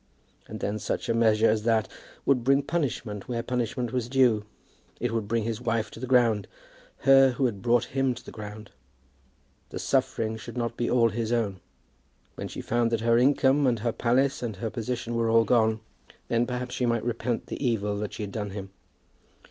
And then such a measure as that would bring punishment where punishment was due. It would bring his wife to the ground, her who had brought him to the ground. The suffering should not be all his own. When she found that her income, and her palace, and her position were all gone, then perhaps she might repent the evil that she had done him.